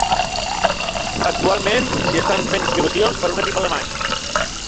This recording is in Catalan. Actualment s'hi estan fent excavacions per un equip alemany.